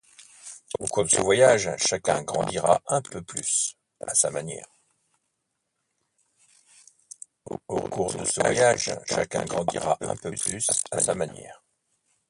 Au cours de ce voyage, chacun grandira un peu plus, à sa manière.